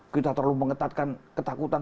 kita terlalu mengetatkan ketakutan